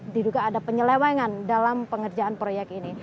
diduga ada penyelewengan dalam pengerjaan proyek ini